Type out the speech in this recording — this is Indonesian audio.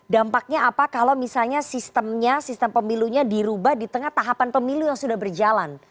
dampaknya apa kalau misalnya sistemnya sistem pemilunya dirubah di tengah tahapan pemilu yang sudah berjalan